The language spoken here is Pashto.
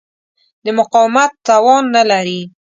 د مقاومت توان نه لري.